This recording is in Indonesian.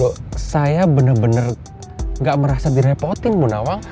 loh saya bener bener gak merasa direpotin bu nawang